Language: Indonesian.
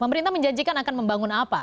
pemerintah menjanjikan akan membangun apa